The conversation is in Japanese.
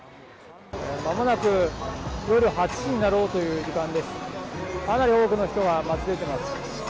まもなく夜８時になろうという時間です。